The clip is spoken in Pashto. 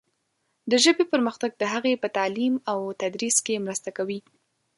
د ژبې پرمختګ د هغې په تعلیم او تدریس کې مرسته کوي.